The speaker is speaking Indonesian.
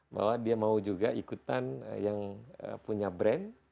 bahwa dia mau juga ikutan yang punya brand